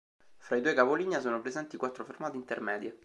Fra i due capolinea sono presenti quattro fermate intermedie.